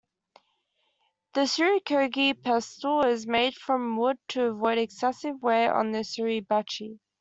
The "surikogi" pestle is made from wood to avoid excessive wear on the "suribachi".